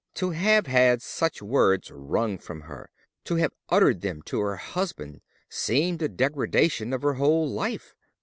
To have had such words wrung from her—to have uttered them to her husband seemed a degradation of her whole life.